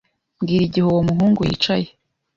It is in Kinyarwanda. Mbwira igihe uwo muhungu yicaye.